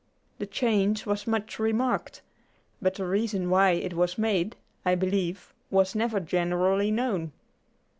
The change was much remarked, but the reason why it was made, I believe, was never generally known.